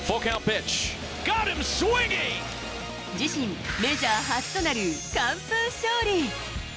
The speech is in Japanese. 自身メジャー初となる完封勝利。